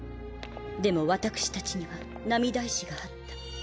でも私たちには涙石があった。